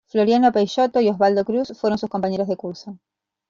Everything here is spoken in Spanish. Floriano Peixoto y Oswaldo Cruz fueron sus compañeros de curso.